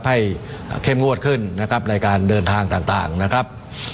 เข้มงวดขึ้นนะครับในการเดินทางต่างนะครับ